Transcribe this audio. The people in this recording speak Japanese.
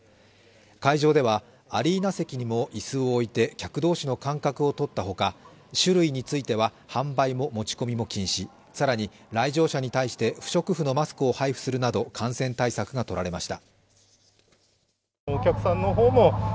会場ではアリーナ席にも椅子を置いて客同士の間隔をとったほか、酒類については販売も持ち込みも禁止更に来場者に対して不織布のマスクを配布するなど感染対策が取られました。